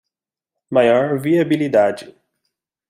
Maior viabilidade